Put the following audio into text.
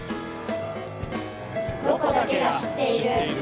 「ロコだけが知っている」。